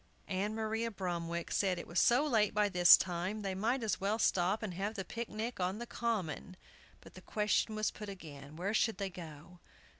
Ann Maria Bromwick said it was so late by this time, they might as well stop and have the picnic on the Common! But the question was put again, Where should they go?